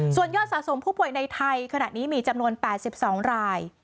ส่วนยอดสะสมผู้ป่วยในไทยขณะนี้มีจำนวน๘๒ราย